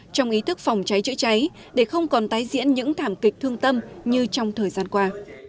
trong ý thức phòng cháy chữa cháy để không còn tái diễn những thảm kịch thương tâm như trong thời gian qua